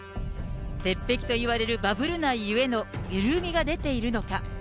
鉄壁といわれるバブル内ゆえの緩みが出ているのか。